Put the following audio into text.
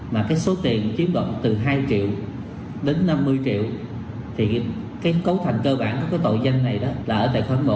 mà số tiền chiếm đọng từ hai triệu đến năm mươi triệu thì cấu thành cơ bản của tội danh này là ở tài khoản một